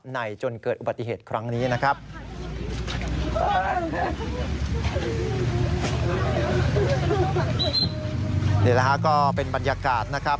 นี่แหละฮะก็เป็นบรรยากาศนะครับ